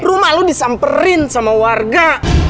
rumah lo disamperin sama warga